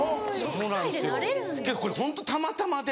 これホントたまたまで。